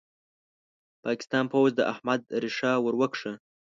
پاکستاني پوځ د احمد ريښه ور وکښه.